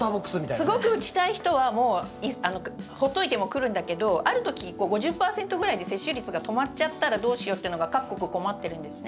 すごく打ちたい人はもう、放っといても来るんだけどある時、５０％ぐらいで接種率が止まっちゃったらどうしようってのが各国、困ってるんですね。